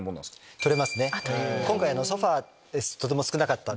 今回のソファとても少なかったです。